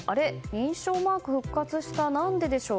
認証マーク復活した何ででしょう。